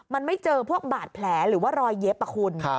มันไม่เจอพวกบาดแผลหรือว่ารอยเย็บคุณ